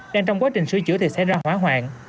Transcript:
đang trong quá trình sửa chữa thì sẽ ra hóa hoạn